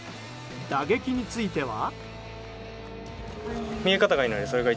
打撃については。